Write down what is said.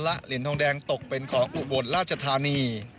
และเหรียญทองแดงตกเป็นของอุบลราชธานี